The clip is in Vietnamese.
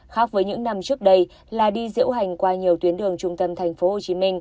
khác với những năm trước đây là đi diễu hành qua nhiều tuyến đường trung tâm tp hcm